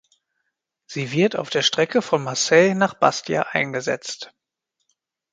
Sie wird auf der Strecke von Marseille nach Bastia eingesetzt.